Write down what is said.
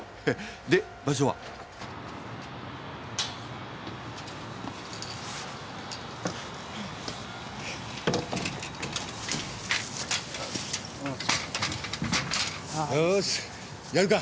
で場所は？よぉーしやるか！